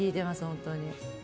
本当に。